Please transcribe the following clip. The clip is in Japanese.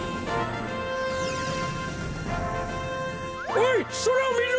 おいそらをみろ！